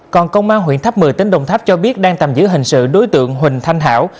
còn công an huyện tháp một mươi tỉnh đồng tháp cho biết đang tạm giữ hình sự đối tượng huỳnh thanh hảo